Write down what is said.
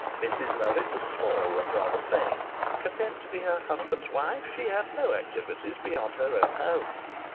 Mrs Lovatt was small, and rather plain; content to be her husband's wife, she had no activities beyond her own home.